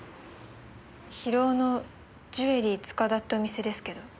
広尾のジュエリー塚田ってお店ですけど。